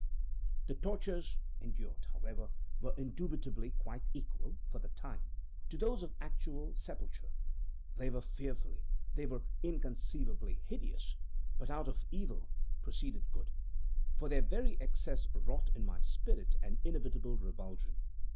The tortures endured, however, were indubitably quite equal for the time, to those of actual sepulture. They were fearfully they were inconceivably hideous; but out of Evil proceeded Good; for their very excess wrought in my spirit an inevitable revulsion.